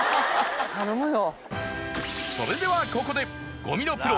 頼むよ。